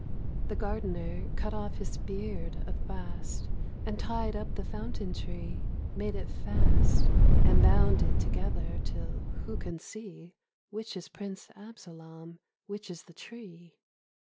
The gardener cut off his beard of bast And tied up the fountain tree, made it fast And bound it together till who can see Which is Prince Absolam, which is the tree